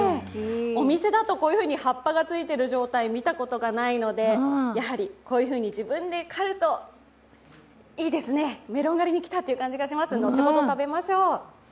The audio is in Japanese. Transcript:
お店だとこういうふうに葉っぱがついてる状態見たことないのでやはりこういうふうに自分で狩るといいですね、メロン狩りに来たという感じがします、後ほど食べましょう。